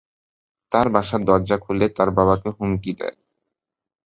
তার বাসার দরজা খুলে তার বাবাকে হুমকি দেয়।